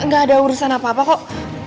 gak ada urusan apa apa kok